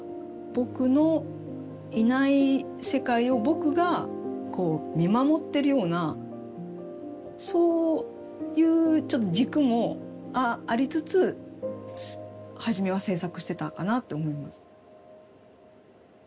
「ぼく」のいない世界を「ぼく」が見守ってるようなそういうちょっと軸もありつつ初めは制作してたかなって思います。